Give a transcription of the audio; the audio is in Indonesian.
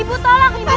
ibu tolong ibu